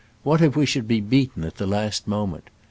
What if we should be beaten . at the last moment?